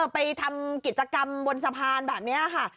ไปทำกิจกรรมบนสะพานแบบนี้ค่ะ